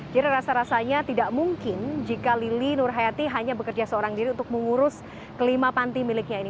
jadi rasa rasanya tidak mungkin jika lili nurhayati hanya bekerja seorang diri untuk mengurus kelima panti miliknya ini